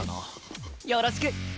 よろしく！